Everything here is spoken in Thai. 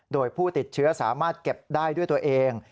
โดยผู้ติดเชื้อสามารถเก็บได้ด้วยตัวเอง